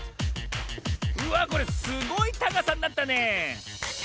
うわこれすごいたかさになったねえ。